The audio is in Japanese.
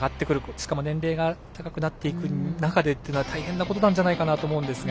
しかも年齢が高くなっていく中では大変なことなんじゃないかなと思うんですが。